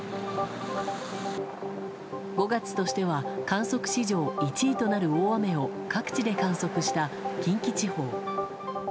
５月としては観測史上１位となる大雨を各地で観測した近畿地方。